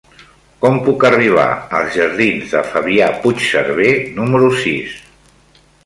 Com puc arribar als jardins de Fabià Puigserver número sis?